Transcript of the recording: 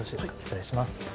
失礼します。